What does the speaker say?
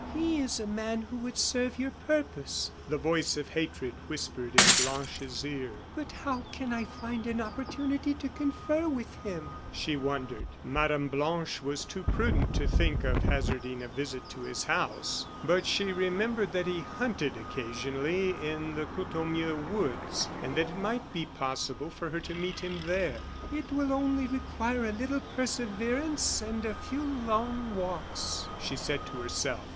"He is a man who would serve your purpose," the voice of hatred whispered in Blanche's ear. "But how can I find an opportunity to confer with him?" she wondered. Mme. Blanche was too prudent to think of hazarding a visit to his house, but she remembered that he hunted occasionally in the Courtornieu woods, and that it might be possible for her to meet him there. "It will only require a little perseverance and a few long walks," she said to herself.